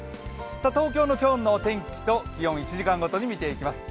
東京の今日の天気と気温１時間ごとに見ていきます。